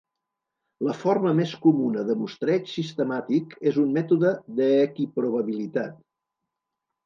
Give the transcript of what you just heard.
La forma més comuna de mostreig sistemàtic és un mètode d'equiprobabilitat.